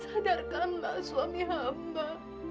sadarkanlah suami hamba